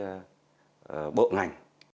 cho các bộ ngành